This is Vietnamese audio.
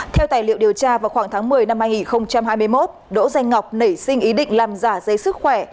theo tài liệu điều tra vào khoảng tháng một mươi năm hai nghìn hai mươi một đỗ danh ngọc nảy sinh ý định làm giả giấy sức khỏe